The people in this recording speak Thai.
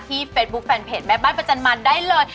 เฟซบุ๊คแฟนเพจแม่บ้านประจำมันได้เลย